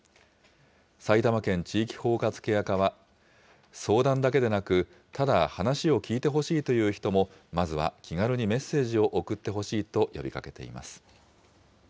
埼玉県地域包括ケア課は、相談だけでなく、ただ話を聞いてほしいという人も、まずは気軽にメッセージを送ってほしいと呼びかけています。